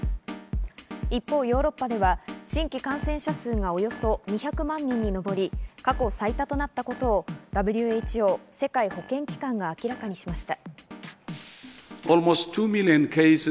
一方、ヨーロッパでは新規感染者数がおよそ２００万人に上り、過去最多となったことをＷＨＯ＝世界保健機関が明らかにしました。